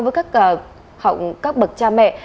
với các bậc cha mẹ